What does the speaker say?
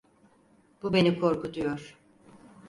Bu beni korkutuyor.